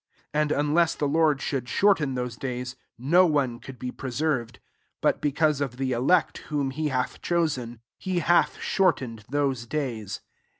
20 And unless the Lord should shorten those days, no one could be preserved : but because of the elect, whom he hilh chosen, he hath shortened ^lose days.